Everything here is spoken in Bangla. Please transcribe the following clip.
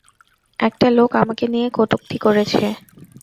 একটা লোক আমাকে নিয়ে কটুক্তি করেছে।